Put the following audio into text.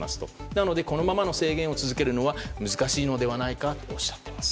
なのでこのままの制限を続けるのは難しいのではないかとおっしゃっています。